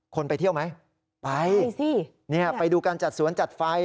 ไปเที่ยวไหมไปสิเนี่ยไปดูการจัดสวนจัดไฟ